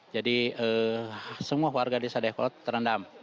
jadi semua warga desa dayuh kolot terendam